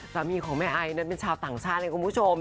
สามีของแม่ไอนั้นเป็นชาวต่างชาติเลยคุณผู้ชม